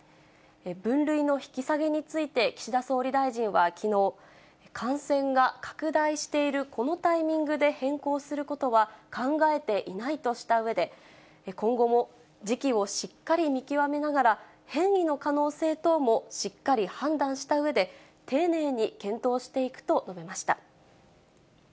分類の引き下げについて、岸田総理大臣はきのう、感染が拡大しているこのタイミングで変更することは考えていないとしたうえで、今後も、時期をしっかり見極めながら、変異の可能性等もしっかり判断したうえで、丁寧に検討していくと述べました。